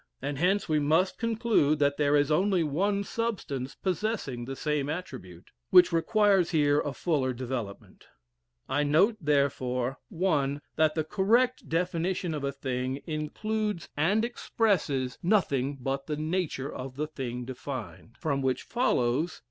And hence we must conclude that there is only one substance possessing the same attribute, which requires here a fuller development. I note therefore 1. That the correct definition of a thing includes and expresses nothing but the nature of the thing defined. From which follows 2.